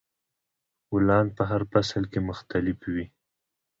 ګلان په هر فصل کې مختلف وي.